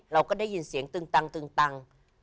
เราก็ได้ยินเสียงตึงตัง